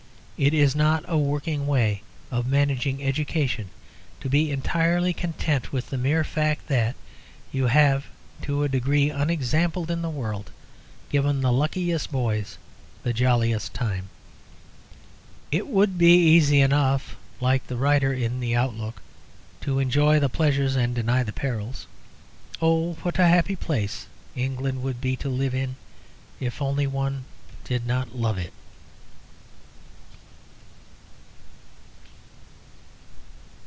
It is not a working way of managing education to be entirely content with the mere fact that you have (to a degree unexampled in the world) given the luckiest boys the jolliest time. It would be easy enough, like the writer in the Outlook, to enjoy the pleasures and deny the perils. Oh what a happy place England would be to live in if only one did not love it!